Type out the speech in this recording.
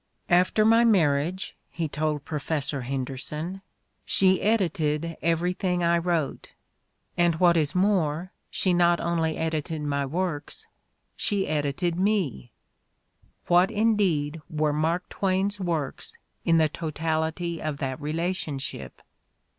"After my marriage," he told Professor Henderson, "she edited everything I wrote. And what is more — she not only edited my works — she edited me !" What, indeed, were Mark Twain's works in the totality of that rela tionship?